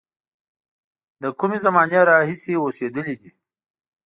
له کومې زمانې راهیسې اوسېدلی دی.